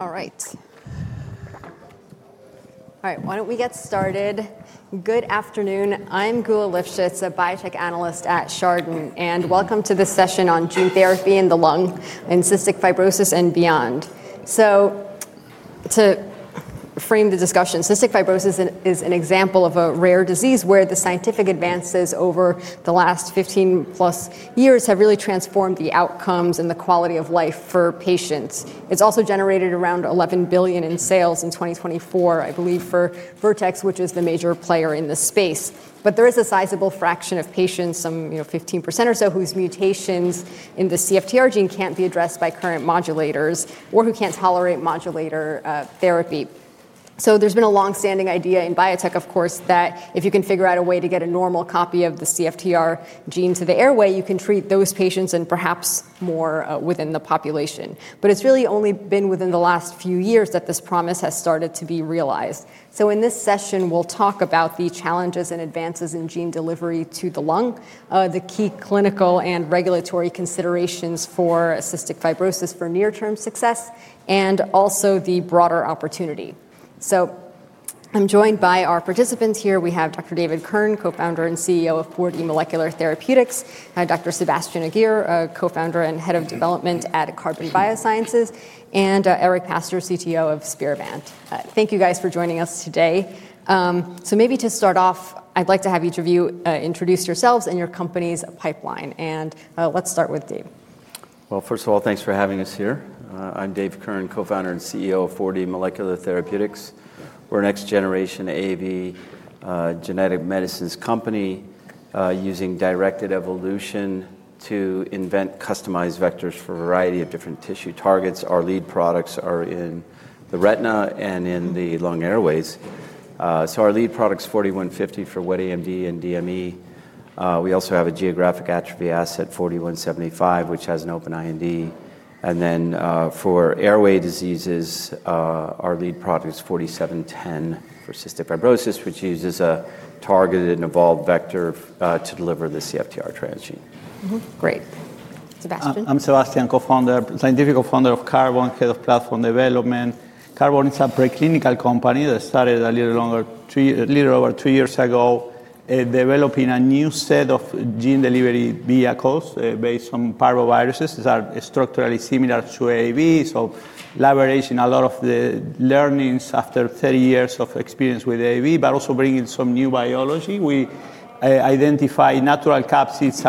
All right. All right. Why don't we get started? Good afternoon. I'm Guo Lifshitz, a biotech analyst at Chardan, and welcome to this session on gene therapy in the lung and cystic fibrosis and beyond. To frame the discussion, cystic fibrosis is an example of a rare disease where the scientific advances over the last 15 plus years have really transformed the outcomes and the quality of life for patients. It's also generated around $11 billion in sales in 2024, I believe, for Vertex, which is the major player in this space. There is a sizable fraction of patients, some 15% or so, whose mutations in the CFTR gene can't be addressed by current modulators or who can't tolerate modulator therapy. There's been a longstanding idea in biotech, of course, that if you can figure out a way to get a normal copy of the CFTR gene to the airway, you can treat those patients and perhaps more within the population. It's really only been within the last few years that this promise has started to be realized. In this session, we'll talk about the challenges and advances in gene delivery to the lung, the key clinical and regulatory considerations for cystic fibrosis for near-term success, and also the broader opportunity. I'm joined by our participants here. We have Dr. David Kirn, Co-founder and CEO of 4D Molecular Therapeutics, Dr. Sebastian Aguir, Co-founder and Head of Development at Carbon Biosciences, and Eric Pastor, CTO of SphereVant Sciences. Thank you guys for joining us today. Maybe to start off, I'd like to have each of you introduce yourselves and your company's pipeline. Let's start with Dave. First of all, thanks for having us here. I'm David Kirn, Co-founder and CEO of 4D Molecular Therapeutics. We're a next-generation AAV genetic medicines company using directed evolution to invent customized vectors for a variety of different tissue targets. Our lead products are in the retina and in the lung airways. Our lead product is 4D-150 for wet AMD and DME. We also have a geographic atrophy asset, 4D-175, which has an open IND. For airway diseases, our lead product is 4D-710 for cystic fibrosis, which uses a targeted and evolved vector to deliver the CFTR transgene. Great. Sebastian. I'm Sebastian, Co-founder, Scientific Co-founder of Carbon, Head of Platform Development. Carbon is a preclinical company that started a little over two years ago, developing a new set of gene delivery vehicles based on parvoviruses. These are structurally similar to AAV, leveraging a lot of the learnings after 30 years of experience with AAV, but also bringing some new biology. We identify natural capsids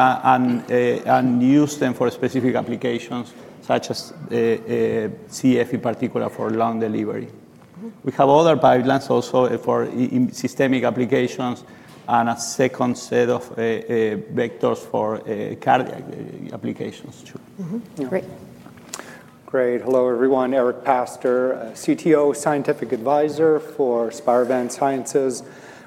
and use them for specific applications, such as CF, in particular for lung delivery. We have other pipelines also for systemic applications and a second set of vectors for cardiac applications. Great. Great. Hello, everyone. Eric Pastor, Chief Technology Officer, scientific advisor for SphereVant Sciences.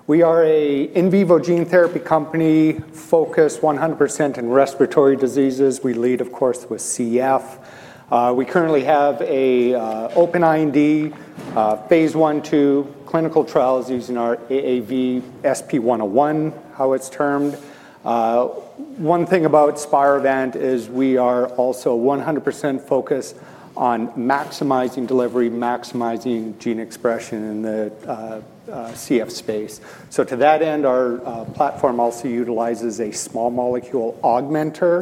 We are an in vivo gene therapy company focused 100% on respiratory diseases. We lead, of course, with CF. We currently have an open IND, phase one to clinical trials using our AAV SP101, how it's termed. One thing about SphereVant is we are also 100% focused on maximizing delivery, maximizing gene expression in the CF space. To that end, our platform also utilizes a proprietary small molecule augmenter,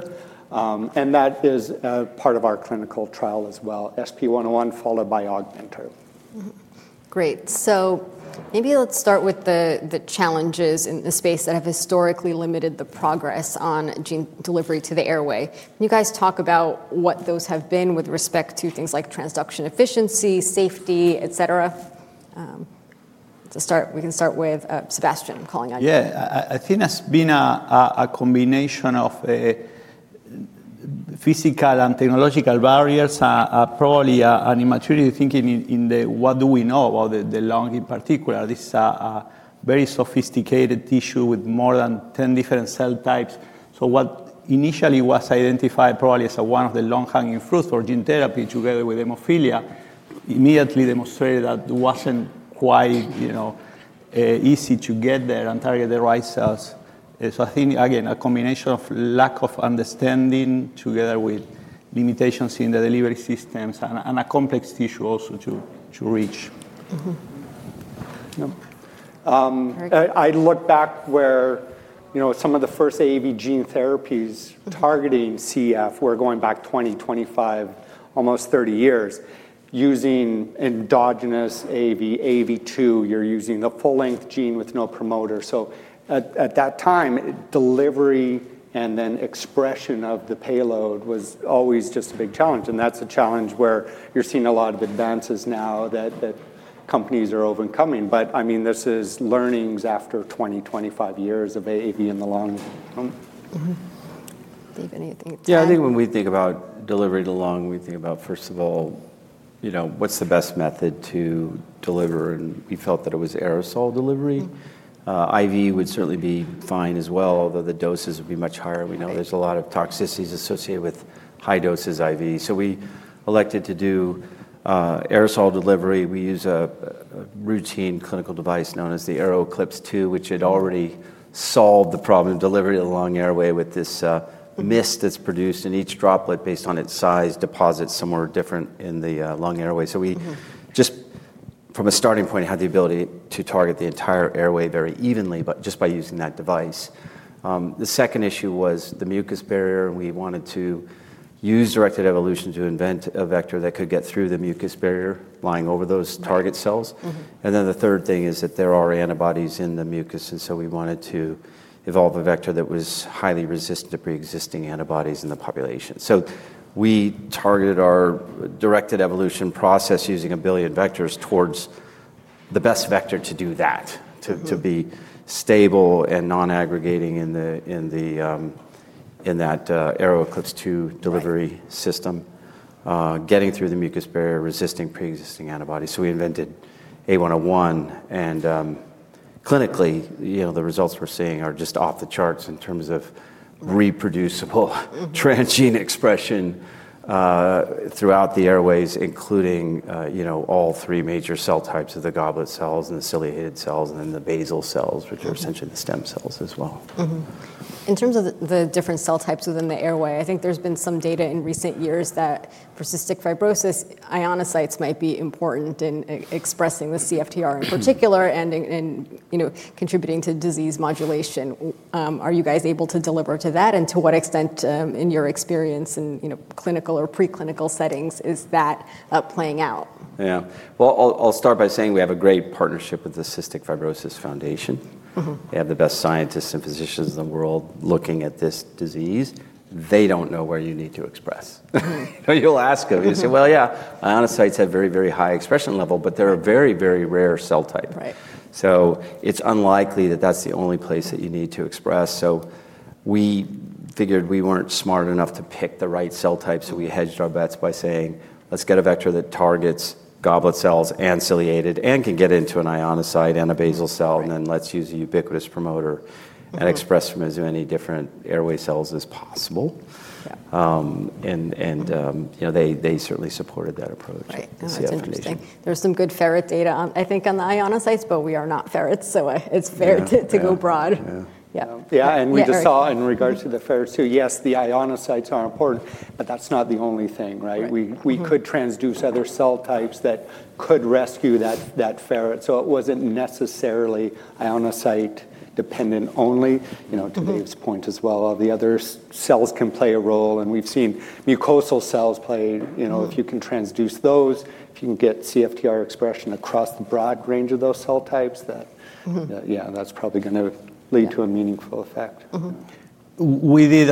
and that is part of our clinical trial as well, SP101 followed by augmenter. Great. Maybe let's start with the challenges in the space that have historically limited the progress on gene delivery to the airway. Can you guys talk about what those have been with respect to things like transduction efficiency, safety, et cetera? We can start with Sebastian, calling on you. Yeah. I think that's been a combination of physical and technological barriers, probably an immaturity thinking in what do we know about the lung in particular. This is a very sophisticated tissue with more than 10 different cell types. What initially was identified probably as one of the low-hanging fruits for gene therapy, together with hemophilia, immediately demonstrated that it wasn't quite easy to get there and target the right cells. I think, again, a combination of lack of understanding together with limitations in the delivery systems and a complex tissue also to reach. I look back where some of the first AAV gene therapies targeting CF were going back 20, 25, almost 30 years. Using endogenous AAV, AAV2, you're using the full-length gene with no promoter. At that time, delivery and then expression of the payload was always just a big challenge. That's a challenge where you're seeing a lot of advances now that companies are overcoming. I mean, this is learnings after 20, 25 years of AAV in the lung. David, anything to add? Yeah, I think when we think about delivery to the lung, we think about, first of all, what's the best method to deliver. We felt that it was aerosol delivery. IV would certainly be fine as well, although the doses would be much higher. We know there's a lot of toxicities associated with high doses IV. We elected to do aerosol delivery. We use a routine clinical device known as the AeroEclipse 2, which had already solved the problem of delivery to the lung airway with this mist that's produced. Each droplet, based on its size, deposits somewhere different in the lung airway. From a starting point, we had the ability to target the entire airway very evenly just by using that device. The second issue was the mucus barrier. We wanted to use directed evolution to invent a vector that could get through the mucus barrier lying over those target cells. The third thing is that there are antibodies in the mucus. We wanted to evolve a vector that was highly resistant to pre-existing antibodies in the population. We targeted our directed evolution process using a billion vectors towards the best vector to do that, to be stable and non-aggregating in that AeroEclipse 2 delivery system, getting through the mucus barrier, resisting pre-existing antibodies. We invented A101. Clinically, the results we're seeing are just off the charts in terms of reproducible transgene expression throughout the airways, including all three major cell types of the goblet cells, the ciliated cells, and the basal cells, which are essentially the stem cells as well. In terms of the different cell types within the airway, I think there's been some data in recent years that for cystic fibrosis, ionocytes might be important in expressing the CFTR in particular and contributing to disease modulation. Are you guys able to deliver to that? To what extent in your experience in clinical or preclinical settings is that playing out? Yeah. I'll start by saying we have a great partnership with the Cystic Fibrosis Foundation. They have the best scientists and physicians in the world looking at this disease. They don't know where you need to express. You'll ask them. You'll say, yeah, ionocytes have a very, very high expression level, but they're a very, very rare cell type. It's unlikely that that's the only place that you need to express. We figured we weren't smart enough to pick the right cell type. We hedged our bets by saying, let's get a vector that targets goblet cells and ciliated and can get into an ionocyte and a basal cell. Let's use a ubiquitous promoter and express from as many different airway cells as possible. They certainly supported that approach. Right. That's interesting. There's some good 4D-710 data, I think, on the ionocytes, but we are not 4D-710, so it's fair to go broad. Yeah. We just saw in regards to the ferrite too, yes, the ionocytes are important, but that's not the only thing, right? We could transduce other cell types that could rescue that ferrite. It wasn't necessarily ionocyte dependent only. To Dave's point as well, all the other cells can play a role. We've seen mucosal cells play. If you can transduce those, if you can get CFTR expression across the broad range of those cell types, that's probably going to lead to a meaningful effect. We did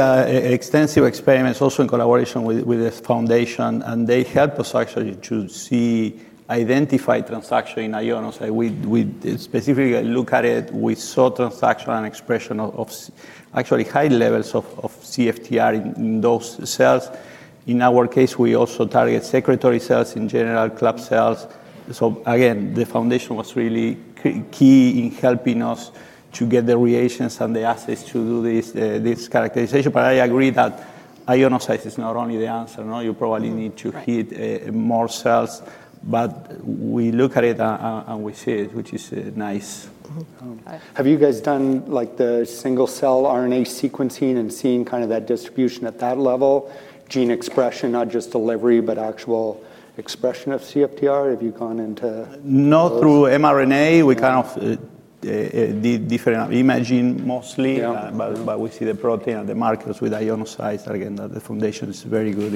extensive experiments also in collaboration with this foundation. They helped us actually to identify transduction in ionocytes. We specifically looked at it. We saw transduction and expression of actually high levels of CFTR in those cells. In our case, we also target secretory cells in general, club cells. The foundation was really key in helping us to get the reagents and the assets to do this characterization. I agree that ionocytes is not only the answer. You probably need to hit more cells. We look at it and we see it, which is nice. Have you done the single-cell RNA sequencing and seen that distribution at that level, gene expression, not just delivery, but actual expression of CFTR? Have you gone into... Not through mRNA. We kind of did different imaging mostly, but we see the protein and the markers with ionocytes. Again, the foundation is very good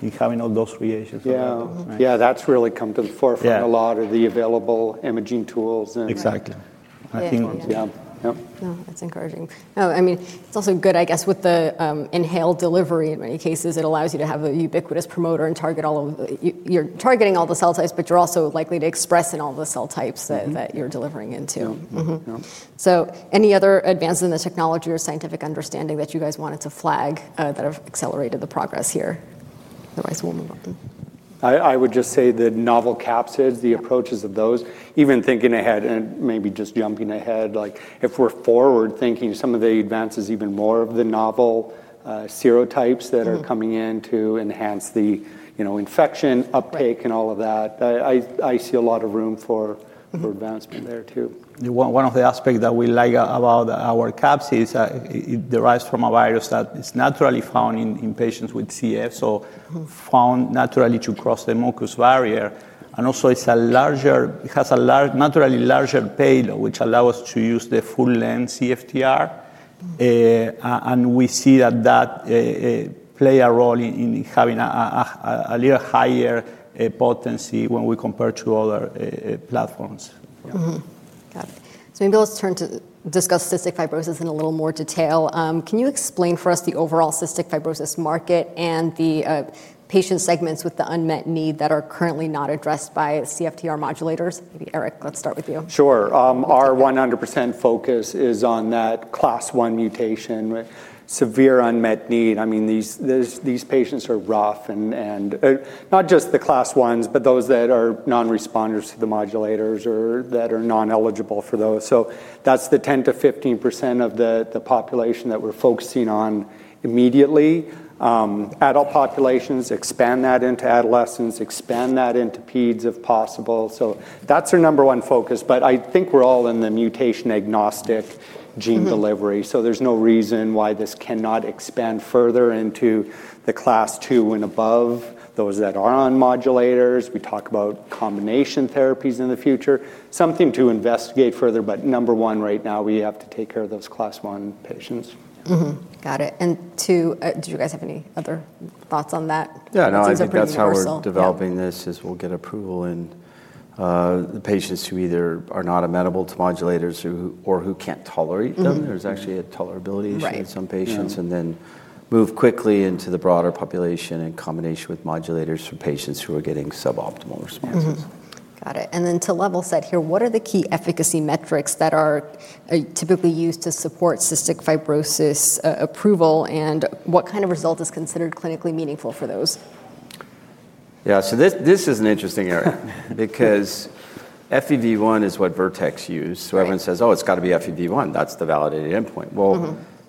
in having all those reagents. Yeah, that's really come to the forefront, a lot of the available imaging tools. Exactly. I think, yeah. No, that's encouraging. I mean, it's also good, I guess, with the inhaled delivery. In many cases, it allows you to have a ubiquitous promoter and target all of your targeting all the cell types, but you're also likely to express in all the cell types that you're delivering into. Any other advances in the technology or scientific understanding that you guys wanted to flag that have accelerated the progress here? Otherwise, we'll move on. I would just say the novel capsids, the approaches of those, even thinking ahead and maybe just jumping ahead, like if we're forward thinking, some of the advances, even more of the novel serotypes that are coming in to enhance the infection uptake and all of that. I see a lot of room for advancement there too. One of the aspects that we like about our capsid is it derives from a virus that is naturally found in patients with CF, so found naturally to cross the mucus barrier. It is a larger, it has a naturally larger payload, which allows us to use the full-length CFTR. We see that that plays a role in having a little higher potency when we compare to other platforms. Got it. Maybe let's turn to discuss cystic fibrosis in a little more detail. Can you explain for us the overall cystic fibrosis market and the patient segments with the unmet need that are currently not addressed by CFTR modulators? Maybe Eric, let's start with you. Sure. Our 100% focus is on that class 1 mutation, severe unmet need. These patients are rough, and not just the class 1s, but those that are non-responders to the modulators or that are non-eligible for those. That's the 10% to 15% of the population that we're focusing on immediately. Adult populations, expand that into adolescents, expand that into peds if possible. That's our number one focus. I think we're all in the mutation-agnostic gene delivery. There's no reason why this cannot expand further into the class 2 and above, those that are on modulators. We talk about combination therapies in the future, something to investigate further. Number one right now, we have to take care of those class 1 patients. Got it. Do you guys have any other thoughts on that? Yeah, no, I think that's how we're developing this. We'll get approval in the patients who either are not amenable to modulators or who can't tolerate them. There's actually a tolerability issue in some patients, and then move quickly into the broader population in combination with modulators for patients who are getting suboptimal responses. Got it. To level set here, what are the key efficacy metrics that are typically used to support cystic fibrosis approval? What kind of result is considered clinically meaningful for those? Yeah, so this is an interesting area because FEV1 is what Vertex used. Everyone says, oh, it's got to be FEV1. That's the validated endpoint.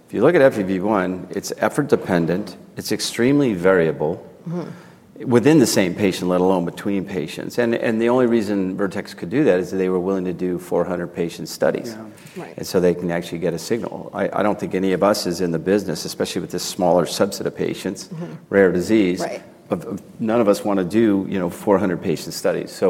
If you look at FEV1, it's effort dependent. It's extremely variable within the same patient, let alone between patients. The only reason Vertex could do that is that they were willing to do 400 patient studies, and they can actually get a signal. I don't think any of us is in the business, especially with this smaller subset of patients, rare disease. None of us want to do 400 patient studies.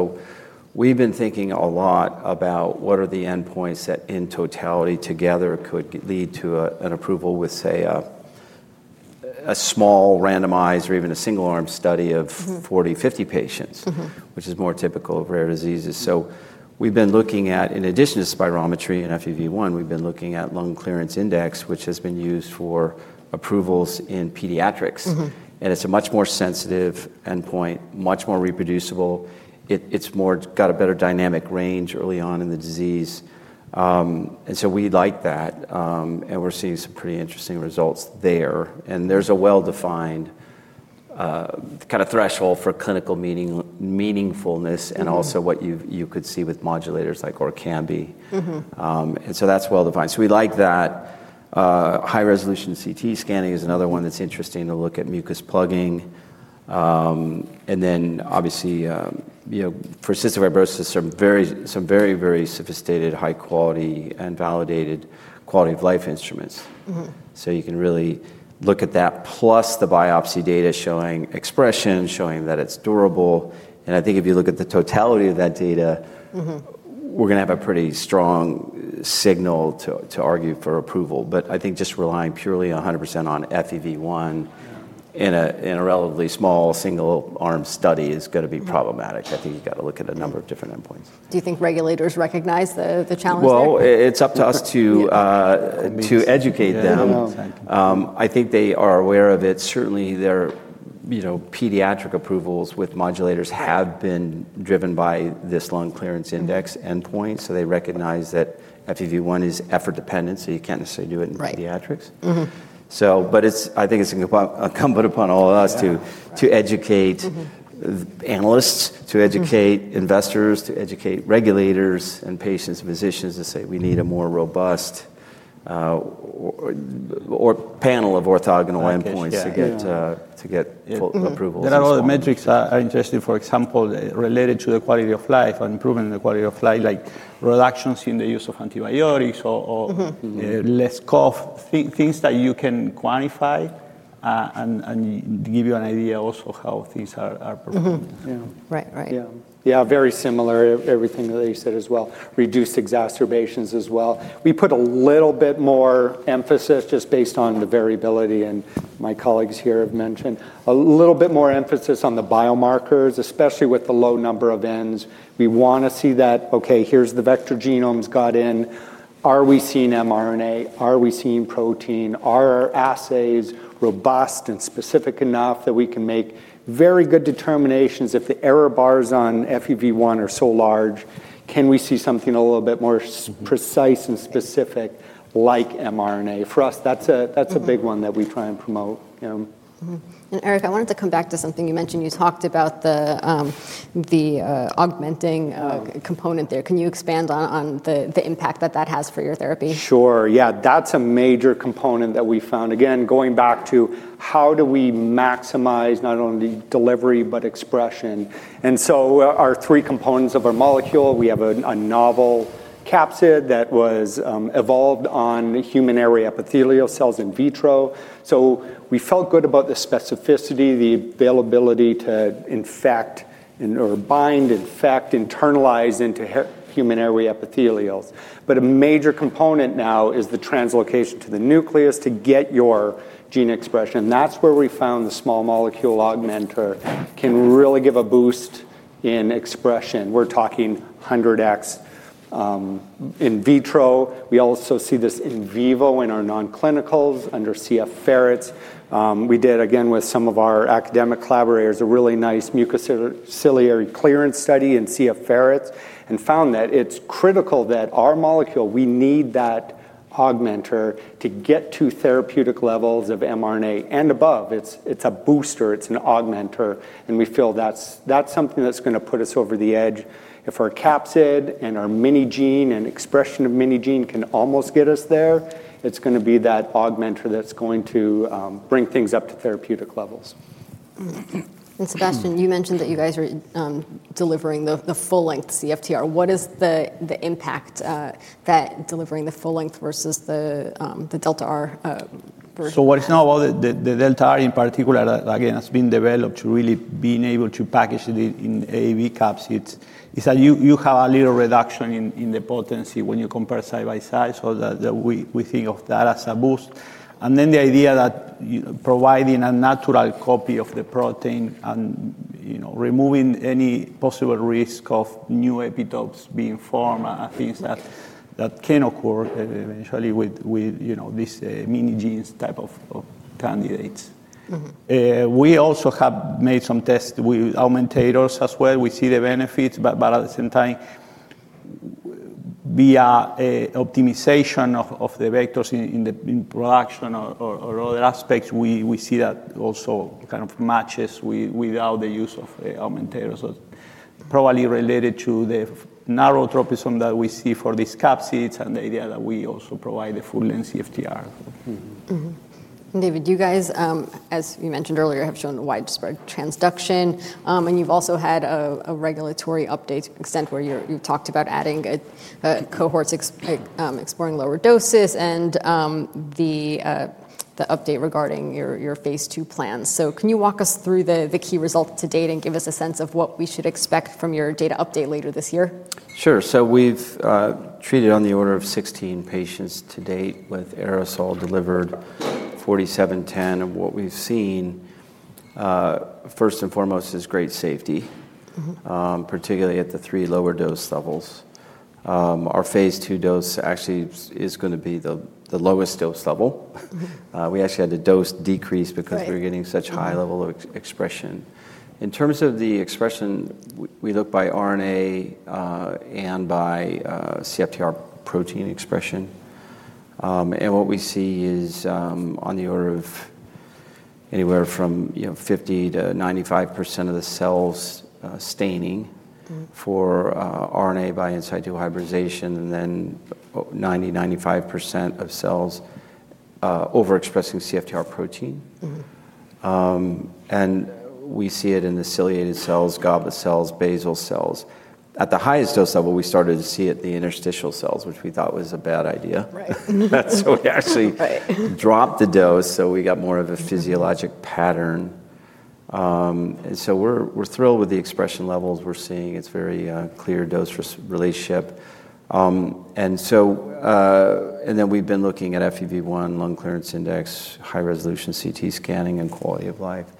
We've been thinking a lot about what are the endpoints that in totality together could lead to an approval with, say, a small randomized or even a single arm study of 40, 50 patients, which is more typical of rare diseases. We've been looking at, in addition to spirometry and FEV1, lung clearance index, which has been used for approvals in pediatrics. It's a much more sensitive endpoint, much more reproducible. It's got a better dynamic range early on in the disease. We like that, and we're seeing some pretty interesting results there. There's a well-defined kind of threshold for clinical meaningfulness and also what you could see with modulators like Orkambi. That's well-defined, so we like that. High-resolution CT scanning is another one that's interesting to look at mucus plugging. Obviously, for cystic fibrosis, some very, very sophisticated, high quality, and validated quality of life instruments. You can really look at that, plus the biopsy data showing expression, showing that it's durable. I think if you look at the totality of that data, we're going to have a pretty strong signal to argue for approval. I think just relying purely 100% on FEV1 in a relatively small single arm study is going to be problematic. You've got to look at a number of different endpoints. Do you think regulators recognize the challenge? It is up to us to educate them. I think they are aware of it. Certainly, their pediatric approvals with CFTR modulators have been driven by this lung clearance index endpoint. They recognize that FEV1 is effort dependent, so you can't necessarily do it in pediatrics. I think it's incumbent upon all of us to educate analysts, investors, regulators, patients, and physicians to say we need a more robust panel of orthogonal endpoints to get approvals. Not all the metrics are interesting, for example, related to the quality of life or improving the quality of life, like reductions in the use of antibiotics or less cough, things that you can quantify and give you an idea also how things are performing. Right, right. Yeah, very similar. Everything that he said as well, reduced exacerbations as well. We put a little bit more emphasis, just based on the variability my colleagues here have mentioned, a little bit more emphasis on the biomarkers, especially with the low number of Ns. We want to see that, OK, here's the vector genomes got in. Are we seeing mRNA? Are we seeing protein? Are our assays robust and specific enough that we can make very good determinations if the error bars on FEV1 are so large? Can we see something a little bit more precise and specific, like mRNA? For us, that's a big one that we try and promote. Eric, I wanted to come back to something you mentioned. You talked about the augmenting component there. Can you expand on the impact that that has for your therapy? Sure. Yeah, that's a major component that we found. Again, going back to how do we maximize not only the delivery, but expression. Our three components of our molecule, we have a novel capsid that was evolved on human airway epithelial cells in vitro. We felt good about the specificity, the ability to infect or bind, infect, internalize into human airway epithelials. A major component now is the translocation to the nucleus to get your gene expression. That's where we found the proprietary small molecule augmenter can really give a boost in expression. We're talking 100x in vitro. We also see this in vivo in our non-clinicals under CF ferrets. We did, with some of our academic collaborators, a really nice mucociliary clearance study in CF ferrets and found that it's critical that our molecule, we need that augmenter to get to therapeutic levels of mRNA and above. It's a booster. It's an augmenter. We feel that's something that's going to put us over the edge. If our capsid and our mini-gene and expression of mini-gene can almost get us there, it's going to be that augmenter that's going to bring things up to therapeutic levels. Sebastian, you mentioned that you guys are delivering the full-length CFTR. What is the impact that delivering the full-length versus the delta R? What is now, the delta R in particular, again, has been developed to really be able to package it in AAV capsids. You have a little reduction in the potency when you compare side by side. We think of that as a boost. The idea is that providing a natural copy of the protein and removing any possible risk of new epitopes being formed and things that can occur eventually with these mini-genes type of candidates. We also have made some tests with augmentators as well. We see the benefits. At the same time, via optimization of the vectors in the production or other aspects, we see that also kind of matches without the use of augmentators, probably related to the narrow tropism that we see for these capsids and the idea that we also provide the full-length CFTR. David, you guys, as you mentioned earlier, have shown widespread transduction. You've also had a regulatory update to an extent where you talked about adding cohorts, exploring lower doses, and the update regarding your phase two plans. Can you walk us through the key results to date and give us a sense of what we should expect from your data update later this year? Sure. We've treated on the order of 16 patients to date with aerosol-delivered 4D-710. What we've seen, first and foremost, is great safety, particularly at the three lower dose levels. Our phase two dose actually is going to be the lowest dose level. We actually had to dose decrease because we were getting such a high level of expression. In terms of the expression, we look by RNA and by CFTR protein expression. What we see is on the order of anywhere from 50% to 95% of the cells staining for RNA by in situ hybridization and then 90% to 95% of cells overexpressing CFTR protein. We see it in the ciliated cells, goblet cells, basal cells. At the highest dose level, we started to see it in the interstitial cells, which we thought was a bad idea. We actually dropped the dose, so we got more of a physiologic pattern. We're thrilled with the expression levels we're seeing. It's a very clear dose relationship. We've been looking at FEV1, lung clearance index, high-resolution CT scanning, and quality of life.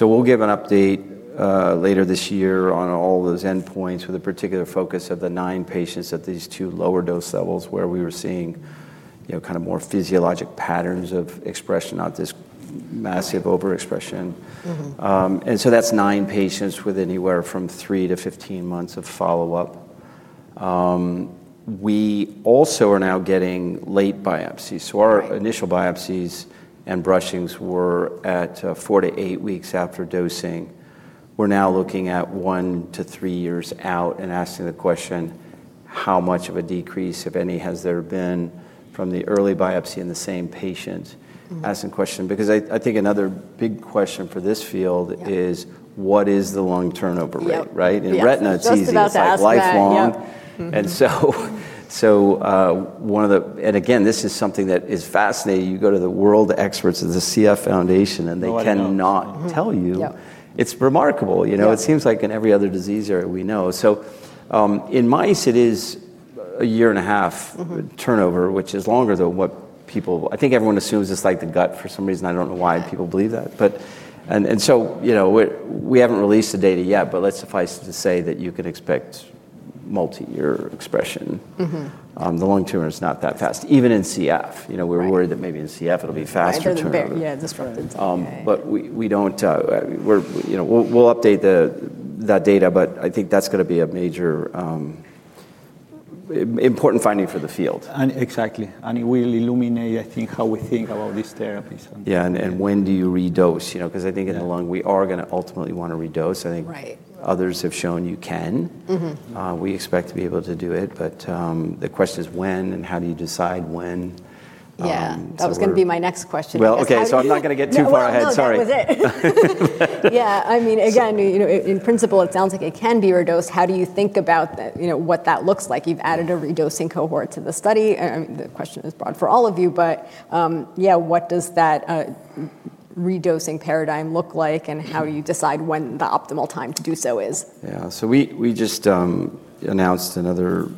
We'll give an update later this year on all those endpoints with a particular focus of the nine patients at these two lower dose levels where we were seeing kind of more physiologic patterns of expression, not this massive overexpression. That's nine patients with anywhere from 3 to 15 months of follow-up. We also are now getting late biopsies. Our initial biopsies and brushings were at four to eight weeks after dosing. We're now looking at one to three years out and asking the question, how much of a decrease, if any, has there been from the early biopsy in the same patient? Asking the question because I think another big question for this field is what is the lung turnover rate, right? In retina, it's easy. It's lifelong. This is something that is fascinating. You go to the world experts of the CF Foundation and they cannot tell you. It's remarkable. It seems like in every other disease area we know. In mice, it is a year and a half turnover, which is longer than what people, I think everyone assumes it's like the gut for some reason. I don't know why people believe that. We haven't released the data yet, but let's suffice to say that you could expect multi-year expression. The lung turnover is not that fast, even in CF. We're worried that maybe in CF it'll be faster turnover. Yeah, disrupted. We will update that data. I think that's going to be a major important finding for the field. Exactly. It will illuminate, I think, how we think about these therapies. When do you re-dose? I think in the lung, we are going to ultimately want to re-dose. I think others have shown you can. We expect to be able to do it. The question is when and how do you decide when? Yeah, that was going to be my next question. OK, I'm not going to get too far ahead. Sorry. Yeah, I mean, again, in principle, it sounds like it can be re-dosed. How do you think about what that looks like? You've added a re-dosing cohort to the study. The question is broad for all of you. What does that re-dosing paradigm look like, and how do you decide when the optimal time to do so is? Yeah, we just announced another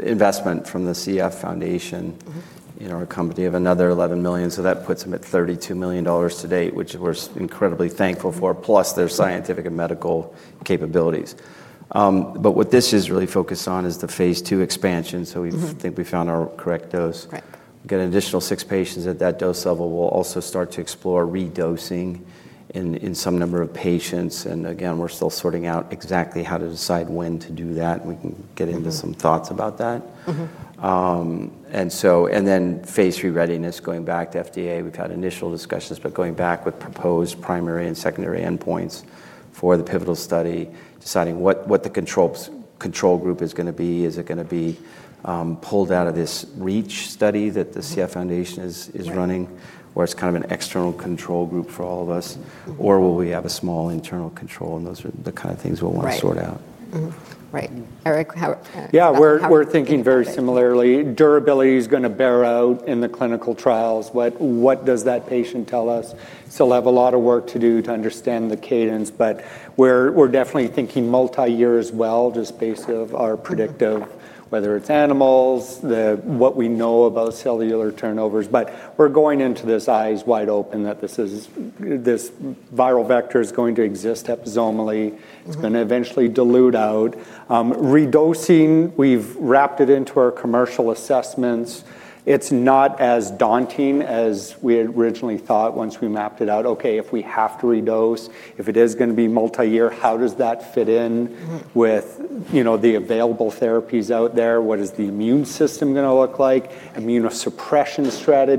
investment from the CF Foundation in our company of another $11 million. That puts them at $32 million to date, which we're incredibly thankful for, plus their scientific and medical capabilities. What this is really focused on is the phase two expansion. We think we found our correct dose. We'll get an additional six patients at that dose level. We'll also start to explore re-dosing in some number of patients. We're still sorting out exactly how to decide when to do that. We can get into some thoughts about that. Then phase three readiness, going back to FDA. We've had initial discussions, going back with proposed primary and secondary endpoints for the pivotal study, deciding what the control group is going to be. Is it going to be pulled out of this reach study that the CF Foundation is running, where it's kind of an external control group for all of us? Will we have a small internal control? Those are the kind of things we'll want to sort out. Right. Eric? Yeah, we're thinking very similarly. Durability is going to bear out in the clinical trials. What does that patient tell us? Still have a lot of work to do to understand the cadence. We're definitely thinking multi-year as well, just based on our predictive, whether it's animals, what we know about cellular turnovers. We're going into this eyes wide open that this viral vector is going to exist episomally. It's going to eventually dilute out. Re-dosing, we've wrapped it into our commercial assessments. It's not as daunting as we had originally thought once we mapped it out. If we have to re-dose, if it is going to be multi-year, how does that fit in with the available therapies out there? What is the immune system going to look like? Immunosuppression strategy.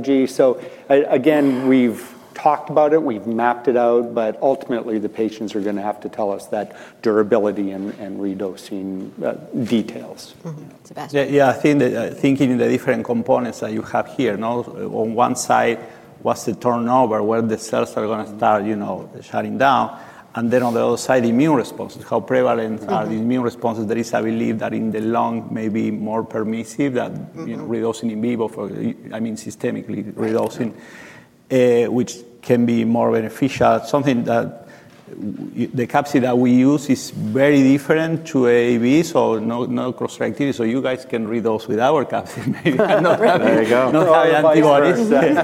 We've talked about it. We've mapped it out. Ultimately, the patients are going to have to tell us that durability and re-dosing details. Sebastian? Yeah. Thinking in the different components that you have here. On one side, what's the turnover? Where the cells are going to start shutting down? Then on the other side, immune responses. How prevalent are the immune responses? I believe that in the lung, maybe more permissive than re-dosing in vivo, I mean systemically re-dosing, which can be more beneficial. Something that the capsid that we use is very different to AAV, so no cross-reactivity. You guys can re-dose with our capsid maybe, but not have antibodies or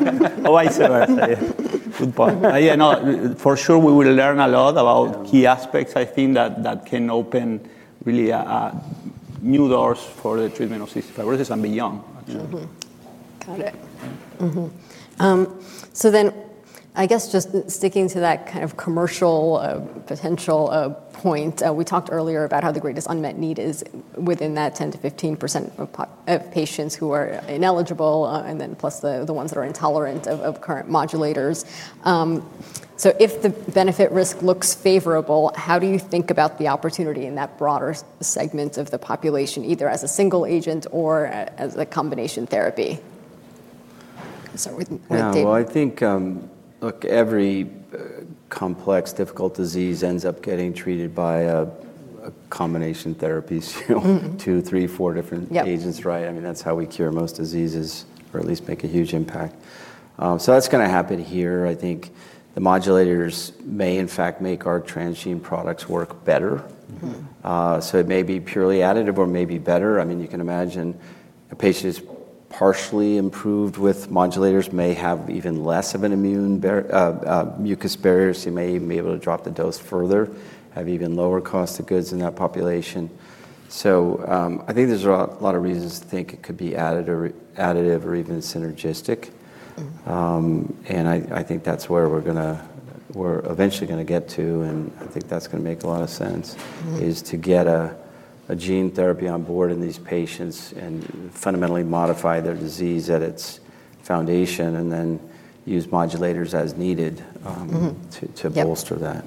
vice versa. Good point. Yeah, for sure, we will learn a lot about key aspects, I think, that can open really new doors for the treatment of cystic fibrosis and beyond. I guess just sticking to that kind of commercial potential point, we talked earlier about how the greatest unmet need is within that 10% to 15% of patients who are ineligible and then plus the ones that are intolerant of current modulators. If the benefit-risk looks favorable, how do you think about the opportunity in that broader segment of the population, either as a single agent or as a combination therapy? I think, look, every complex, difficult disease ends up getting treated by a combination therapy, two, three, four different agents, right? I mean, that's how we cure most diseases or at least make a huge impact. That's going to happen here. I think the modulators may, in fact, make our transgene products work better. It may be purely additive or maybe better. I mean, you can imagine a patient who's partially improved with modulators may have even less of a mucus barrier. You may even be able to drop the dose further, have even lower cost of goods in that population. I think there's a lot of reasons to think it could be additive or even synergistic. I think that's where we're going to, we're eventually going to get to. I think that's going to make a lot of sense, to get a gene therapy on board in these patients and fundamentally modify their disease at its foundation and then use modulators as needed to bolster that.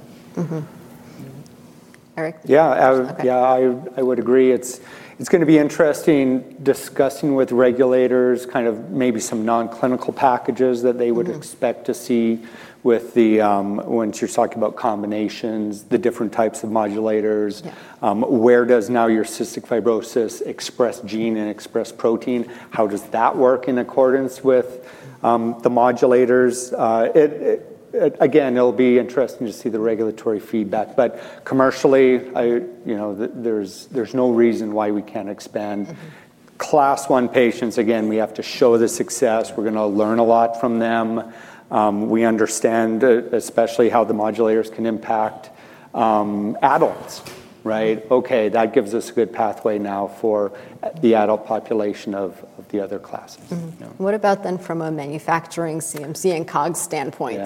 Eric? Yeah, I would agree. It's going to be interesting discussing with regulators kind of maybe some non-clinical packages that they would expect to see once you're talking about combinations, the different types of modulators. Where does now your cystic fibrosis express gene and express protein? How does that work in accordance with the modulators? It'll be interesting to see the regulatory feedback. Commercially, there's no reason why we can't expand. Class 1 patients, again, we have to show the success. We're going to learn a lot from them. We understand especially how the modulators can impact adults, right? OK, that gives us a good pathway now for the adult population of the other classes. What about then from a manufacturing, CMC, and COGS standpoint?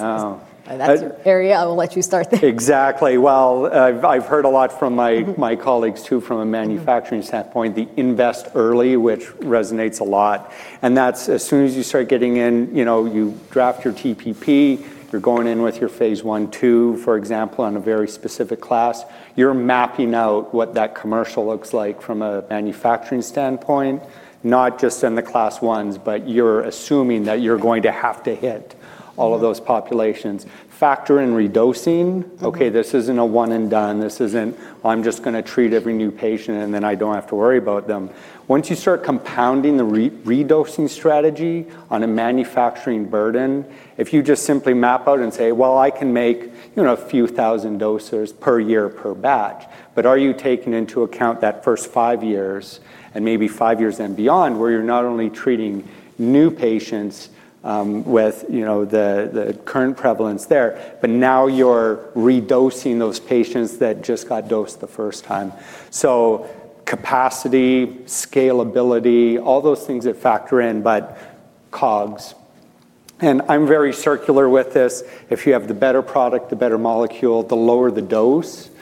That's an area I will let you start there. Exactly. I've heard a lot from my colleagues too from a manufacturing standpoint, the invest early, which resonates a lot. As soon as you start getting in, you draft your TPP. You're going in with your phase one, two, for example, on a very specific class. You're mapping out what that commercial looks like from a manufacturing standpoint, not just in the class 1s, but you're assuming that you're going to have to hit all of those populations. Factor in re-dosing. OK, this isn't a one and done. This isn't, I'm just going to treat every new patient and then I don't have to worry about them. Once you start compounding the re-dosing strategy on a manufacturing burden, if you just simply map out and say, I can make a few thousand doses per year per batch. Are you taking into account that first five years and maybe five years and beyond where you're not only treating new patients with the current prevalence there, but now you're re-dosing those patients that just got dosed the first time? Capacity, scalability, all those things that factor in, but COGS. I'm very circular with this. If you have the better product, the better molecule, the lower the dose. If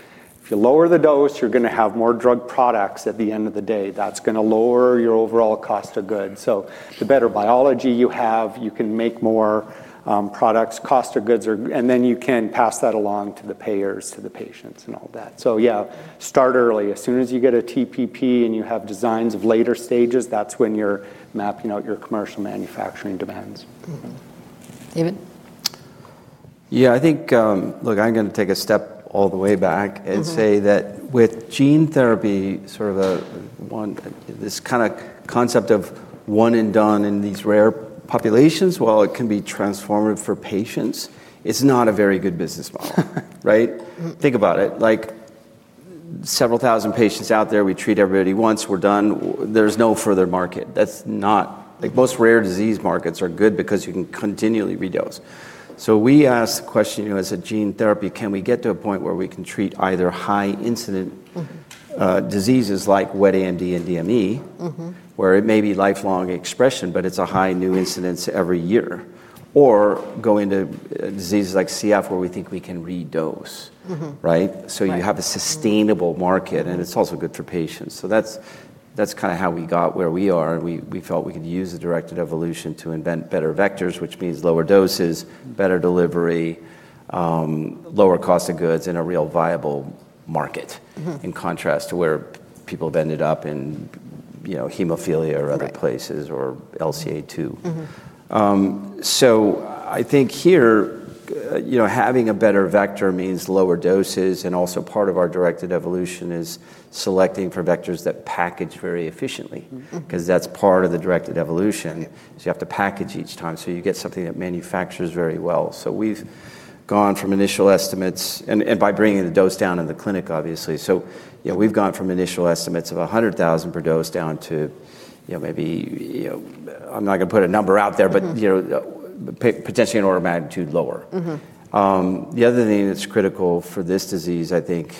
you lower the dose, you're going to have more drug products at the end of the day. That's going to lower your overall cost of goods. The better biology you have, you can make more products, cost of goods, and then you can pass that along to the payers, to the patients, and all that. Start early. As soon as you get a TPP and you have designs of later stages, that's when you're mapping out your commercial manufacturing demands. David? Yeah, I think, look, I'm going to take a step all the way back and say that with gene therapy, sort of this kind of concept of one and done in these rare populations, while it can be transformative for patients, it's not a very good business model, right? Think about it. Like several thousand patients out there, we treat everybody once, we're done. There's no further market. That's not like most rare disease markets are good because you can continually re-dose. We ask the question, as a gene therapy, can we get to a point where we can treat either high incident diseases like wet AMD and DME, where it may be lifelong expression, but it's a high new incidence every year, or go into diseases like CF where we think we can re-dose, right? You have a sustainable market, and it's also good for patients. That's kind of how we got where we are. We felt we could use directed evolution to invent better vectors, which means lower doses, better delivery, lower cost of goods in a real viable market, in contrast to where people have ended up in hemophilia or other places or LCA2. I think here, having a better vector means lower doses. Also, part of our directed evolution is selecting for vectors that package very efficiently because that's part of the directed evolution, you have to package each time so you get something that manufactures very well. We've gone from initial estimates and by bringing the dose down in the clinic, obviously. We've gone from initial estimates of $100,000 per dose down to maybe, I'm not going to put a number out there, but potentially an order of magnitude lower. The other thing that's critical for this disease, I think,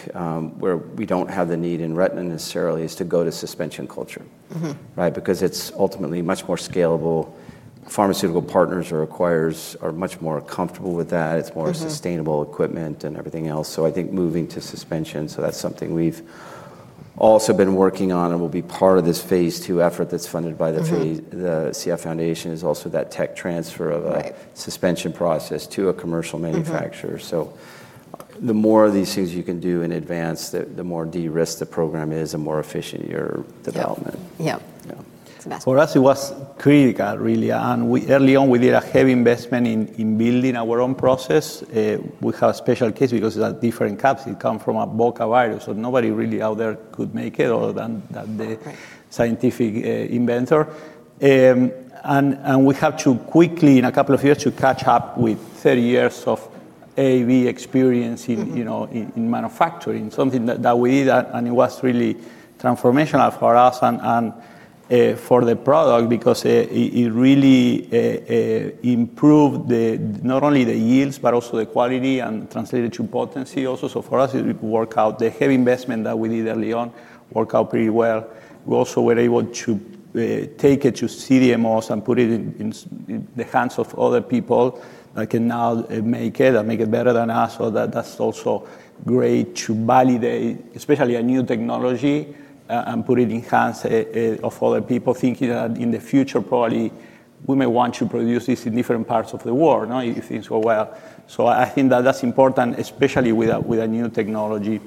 where we don't have the need in retina necessarily, is to go to suspension culture, right? It's ultimately much more scalable. Pharmaceutical partners or acquirers are much more comfortable with that. It's more sustainable equipment and everything else. I think moving to suspension, that's something we've also been working on and will be part of this phase two effort that's funded by the CF Foundation, is also that tech transfer of a suspension process to a commercial manufacturer. The more of these things you can do in advance, the more de-risked the program is, the more efficient your development. Yeah. That's what's critical really. Early on, we did a heavy investment in building our own process. We have a special case because of the different caps. It comes from a bocavirus. Nobody really out there could make it other than the scientific inventor. We had to quickly, in a couple of years, catch up with 30 years of AAV experience in manufacturing, something that we did. It was really transformational for us and for the product because it really improved not only the yields, but also the quality and translated to potency also. For us, it worked out. The heavy investment that we did early on worked out pretty well. We also were able to take it to CDMOs and put it in the hands of other people that can now make it and make it better than us. That's also great to validate, especially a new technology, and put it in the hands of other people, thinking that in the future, probably we may want to produce this in different parts of the world if things go well. I think that that's important, especially with a new technology.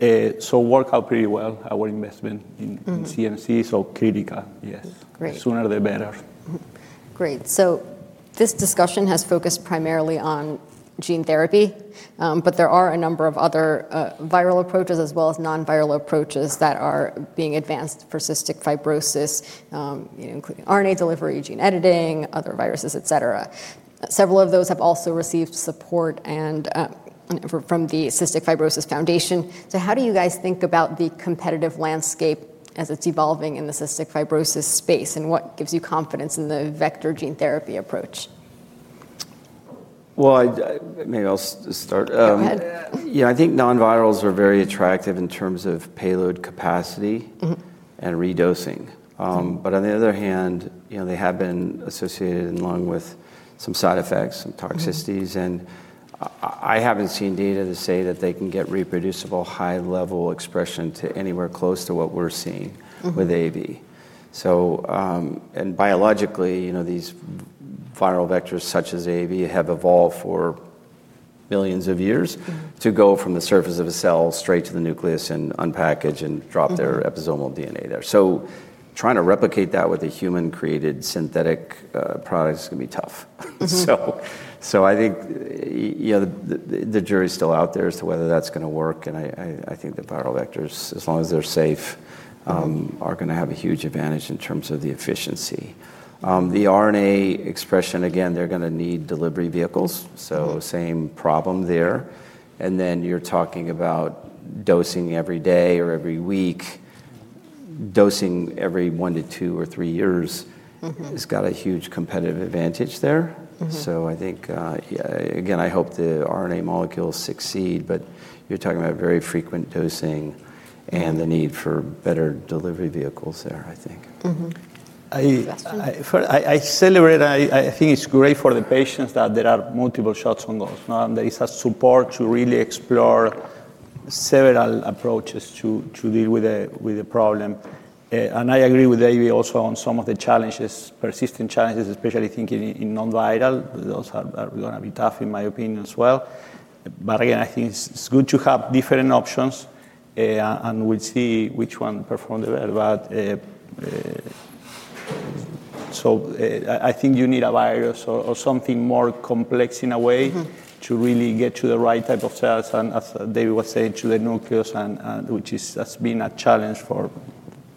It worked out pretty well, our investment in CMC. Critical, yes. Great. The sooner, the better. Great. This discussion has focused primarily on gene therapy. There are a number of other viral approaches, as well as non-viral approaches that are being advanced for cystic fibrosis, including RNA delivery, gene editing, other viruses, et cetera. Several of those have also received support from the Cystic Fibrosis Foundation. How do you guys think about the competitive landscape as it's evolving in the cystic fibrosis space? What gives you confidence in the vector gene therapy approach? Maybe I'll start. Go ahead. I think non-viral approaches are very attractive in terms of payload capacity and re-dosing. On the other hand, they have been associated in the lung with some side effects, some toxicities. I haven't seen data to say that they can get reproducible high-level expression to anywhere close to what we're seeing with AAV. Biologically, these viral vectors, such as AAV, have evolved for millions of years to go from the surface of a cell straight to the nucleus and unpackage and drop their episomal DNA there. Trying to replicate that with a human-created synthetic product is going to be tough. I think the jury is still out there as to whether that's going to work. I think the viral vectors, as long as they're safe, are going to have a huge advantage in terms of the efficiency. The RNA expression, again, they're going to need delivery vehicles. Same problem there. You're talking about dosing every day or every week, versus dosing every one to two or three years. It's got a huge competitive advantage there. I think, again, I hope the RNA molecules succeed, but you're talking about very frequent dosing and the need for better delivery vehicles there, I think. Sebastian? I celebrate and I think it's great for the patients that there are multiple shots on goal. There is a support to really explore several approaches to deal with the problem. I agree with AAV also on some of the challenges, persistent challenges, especially thinking in non-viral. Those are going to be tough, in my opinion, as well. I think it's good to have different options. We'll see which one performs the best. I think you need a virus or something more complex in a way to really get to the right type of cells, and as David was saying, to the nucleus, which has been a challenge for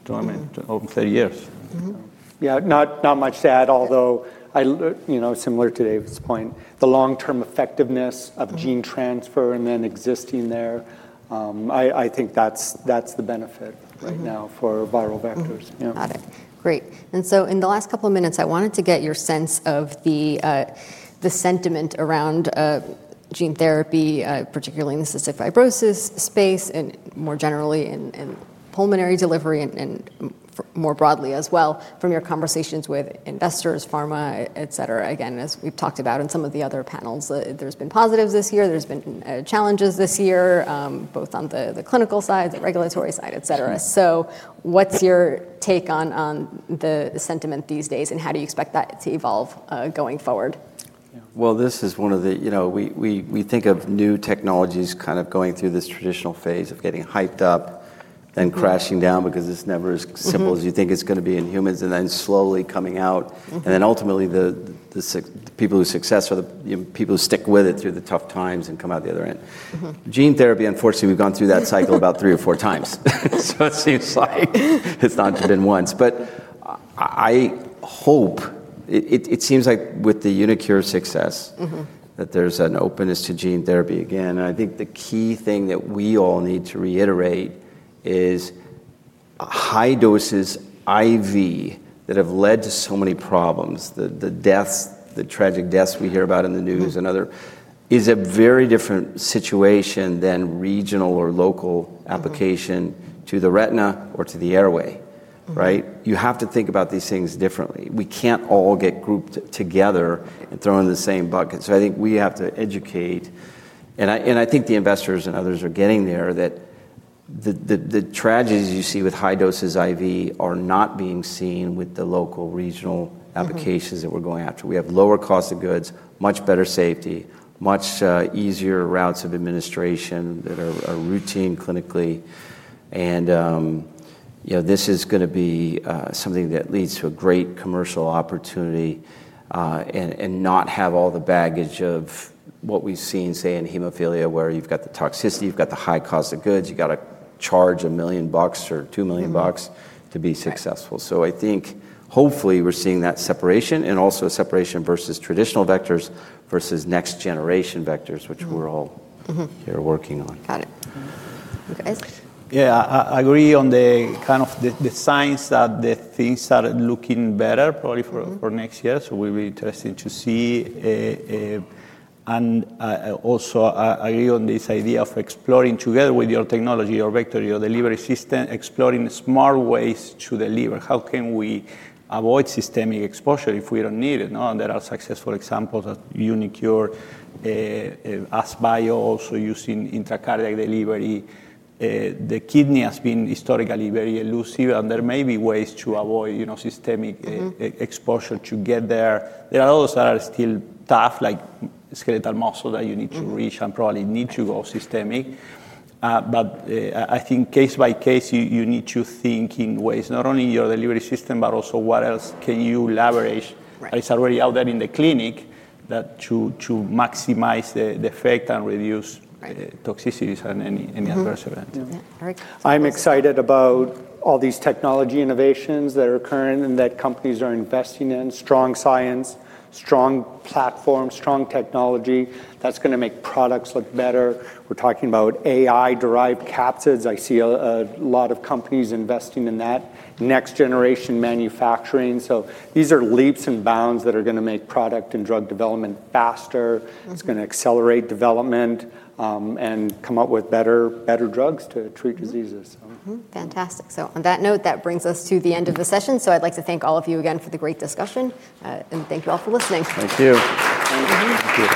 30 years. Yeah, not much to add. Although, similar to David's point, the long-term effectiveness of gene transfer and then existing there, I think that's the benefit right now for viral vectors. Got it. Great. In the last couple of minutes, I wanted to get your sense of the sentiment around gene therapy, particularly in the cystic fibrosis space and more generally in pulmonary delivery and more broadly as well from your conversations with investors, pharma, et cetera. As we've talked about in some of the other panels, there's been positives this year. There's been challenges this year, both on the clinical side, the regulatory side, et cetera. What's your take on the sentiment these days? How do you expect that to evolve going forward? This is one of the, we think of new technologies kind of going through this traditional phase of getting hyped up, then crashing down because this never is as simple as you think it's going to be in humans, and then slowly coming out. Ultimately, the people who succeed are the people who stick with it through the tough times and come out the other end. Gene therapy, unfortunately, we've gone through that cycle about three or four times. It seems like it's not been once. I hope it seems like with the Unicure success, that there's an openness to gene therapy again. I think the key thing that we all need to reiterate is high doses IV that have led to so many problems, the deaths, the tragic deaths we hear about in the news and other, is a very different situation than regional or local application to the retina or to the airway, right? You have to think about these things differently. We can't all get grouped together and thrown in the same bucket. I think we have to educate. I think the investors and others are getting there that the tragedies you see with high doses IV are not being seen with the local regional applications that we're going after. We have lower cost of goods, much better safety, much easier routes of administration that are routine clinically. This is going to be something that leads to a great commercial opportunity and not have all the baggage of what we've seen, say, in hemophilia, where you've got the toxicity, you've got the high cost of goods, you've got to charge $1 million or $2 million to be successful. I think hopefully we're seeing that separation and also a separation versus traditional vectors versus next generation vectors, which we're all here working on. Got it. You guys? Yeah, I agree on the kind of the signs that things are looking better probably for next year. It will be interesting to see. I also agree on this idea of exploring together with your technology, your vector, your delivery system, exploring smart ways to deliver. How can we avoid systemic exposure if we don't need it? There are successful examples at uniQure, as Bio also using intracardiac delivery. The kidney has been historically very elusive, and there may be ways to avoid systemic exposure to get there. There are others that are still tough, like skeletal muscle that you need to reach and probably need to go systemic. I think case by case, you need to think in ways not only in your delivery system, but also what else can you leverage that is already out there in the clinic to maximize the effect and reduce toxicities and any adverse events. Eric. I'm excited about all these technology innovations that are current and that companies are investing in. Strong science, strong platform, strong technology, that's going to make products look better. We're talking about AI-derived capsids. I see a lot of companies investing in that next generation manufacturing. These are leaps and bounds that are going to make product and drug development faster. It's going to accelerate development and come up with better drugs to treat diseases. Fantastic. On that note, that brings us to the end of the session. I'd like to thank all of you again for the great discussion. Thank you all for listening. Thank you. Thank you.